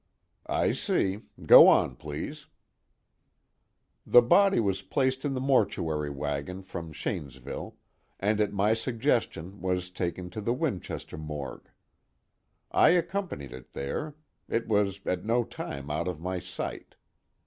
"I see. Go on, please." "The body was placed in the mortuary wagon from Shanesville, and at my suggestion was taken to the Winchester morgue. I accompanied it there; it was at no time out of my sight.